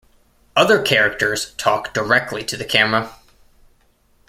Other characters talk directly to the camera.